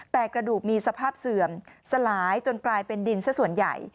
แต่กระดูกมีสภาพเสื่อมสลายจนกลายเป็นดินสักส่วนใหญ่